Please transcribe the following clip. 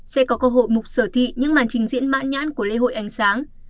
sẽ có cơ hội mục sở thị những màn trình diễn mãn nhãn của lễ hội ánh sáng